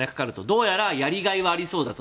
どうやらやりがいはありそうだと。